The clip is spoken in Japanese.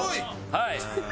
はい。